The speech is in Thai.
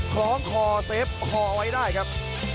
คล้องคอเซฟคอไว้ได้ครับ